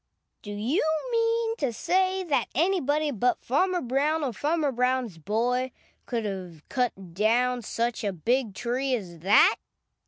"Do you mean to say that anybody but Farmer Brown or Farmer Brown's boy could have cut down such a big tree as that?"